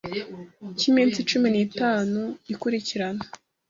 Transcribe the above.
cy iminsi cumi n itanu ikurikirana